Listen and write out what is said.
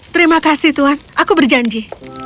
terima kasih tuhan aku berjanji